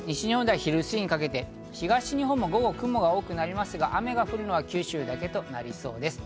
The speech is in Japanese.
西日本では昼過ぎにかけて東日本も午後、雲が多くなりますが、雨が降るのは九州だけとなりそうです。